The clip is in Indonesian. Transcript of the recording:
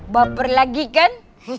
baper lagi kan